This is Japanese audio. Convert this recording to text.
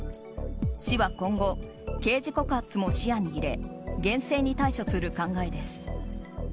市は今後、刑事告発も視野に入れ厳正に対処する考えです。